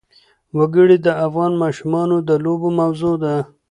وګړي د افغان ماشومانو د لوبو موضوع ده.